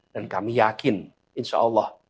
kami yakin insya allah